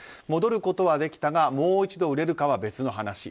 戻ることはできたがもう一度売れるかは別の話。